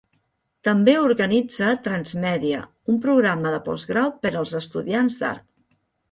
També organitza Transmedia, un programa de postgrau per als estudiants d'art.